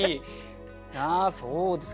そうですか。